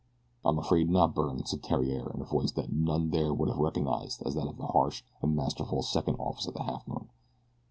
"I'm afraid not, Byrne," said Theriere, in a voice that none there would have recognized as that of the harsh and masterful second officer of the Halfmoon.